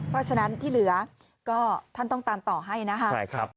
เพราะฉะนั้นที่เหลือก็ท่านต้องตามต่อให้นะครับ